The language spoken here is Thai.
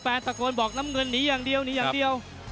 ตะโกนบอกน้ำเงินหนีอย่างเดียวหนีอย่างเดียว